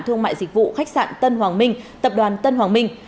thương mại dịch vụ khách sạn tân hoàng minh tập đoàn tân hoàng minh